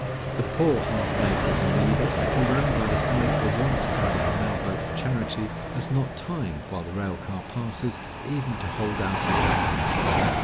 The poor half naked Oneida, who ran by the side of the once crowded canal boat for charity, has not time, while the rail car passes, even to hold out his hand!